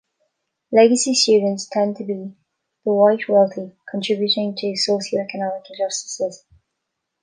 Legacy students tend to be the white wealthy, contributing to socioeconomic injustices.